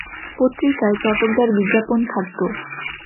পত্রিকায় চটকদার বিজ্ঞাপন থাকত।